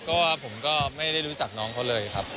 เพราะว่าผมก็ไม่ได้รู้จักน้องเขาเลยครับ